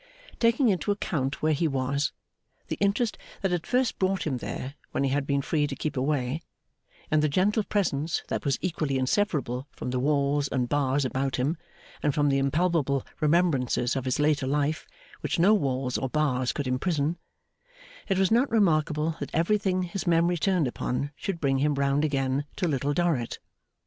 Taking into account where he was, the interest that had first brought him there when he had been free to keep away, and the gentle presence that was equally inseparable from the walls and bars about him and from the impalpable remembrances of his later life which no walls or bars could imprison, it was not remarkable that everything his memory turned upon should bring him round again to Little Dorrit.